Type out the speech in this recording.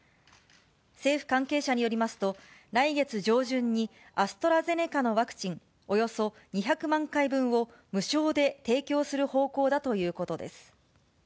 政府関係者によりますと、来月上旬にアストラゼネカのワクチンおよそ２００万回分を、無償で提供する方向だということです。